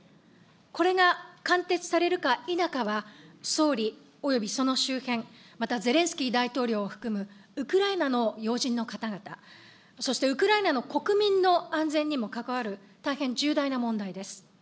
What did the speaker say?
これが貫徹されるか否かは総理およびその周辺、またゼレンスキー大統領を含むウクライナの要人の方々、そしてウクライナの国民の安全にも関わる大変重大な問題です。